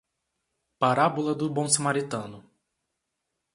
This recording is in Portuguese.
Parábola do bom samaritano